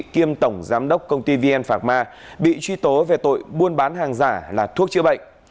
kiêm tổng giám đốc công ty vn phạc ma bị truy tố về tội buôn bán hàng giả là thuốc chữa bệnh